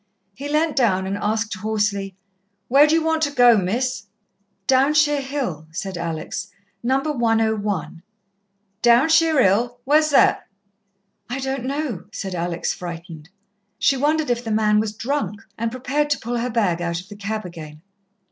He leant down and asked hoarsely. "Where d'you want to go, Miss?" "Downshire Hill," said Alex. "No. 101." "Downshire 'Ill? Where's that?" "I don't know," said Alex, frightened. She wondered if the man was drunk, and prepared to pull her bag out of the cab again.